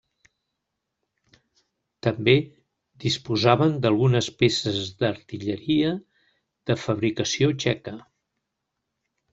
També disposaven d'algunes peces d'artilleria de fabricació txeca.